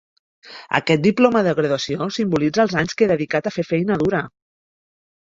Aquest diploma de graduació simbolitza els anys que he dedicat a fer feina dura.